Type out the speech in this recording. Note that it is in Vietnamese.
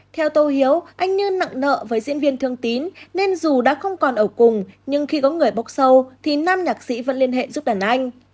theo tô hiếu anh như nặng nợ với diễn viên thương tín nên dù đã không còn ở cùng nhưng khi có người bốc sâu thì nam nhạc sĩ vẫn liên hệ giúp đàn anh